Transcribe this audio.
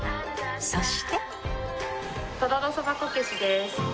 そしてとろろそばこけしです。